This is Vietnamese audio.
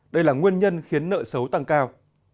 đây là nguyên nhân khiến nợ xấu tăng cao